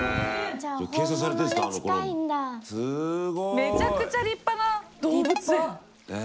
めちゃくちゃ立派な動物園。